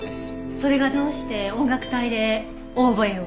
それがどうして音楽隊でオーボエを？